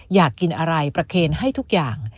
อยากกินอะไรประเคนให้ทุกอย่าง